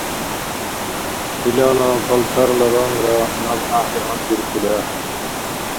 Илала палтарла рангра наб гӀяхӀли гьандиркули ахӀен.